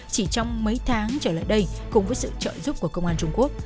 chỉ trong mấy tháng trở lại đây cùng với sự trợ giúp của công an trung quốc